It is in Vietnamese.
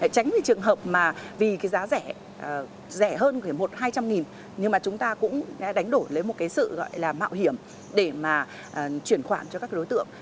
tránh cái trường hợp mà vì cái giá rẻ rẻ hơn một hai trăm linh nhưng mà chúng ta cũng đánh đổi lấy một cái sự gọi là mạo hiểm để mà chuyển khoản cho các đối tượng